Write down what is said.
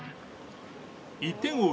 １点を追う